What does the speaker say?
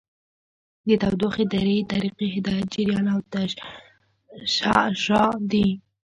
د تودوخې درې طریقې هدایت، جریان او تشعشع دي.